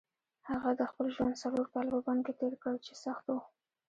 هغه د خپل ژوند څلور کاله په بند کې تېر کړل چې سخت وو.